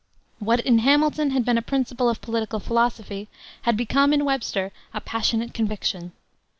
What in Hamilton had been a principle of political philosophy had become in Webster a passionate conviction.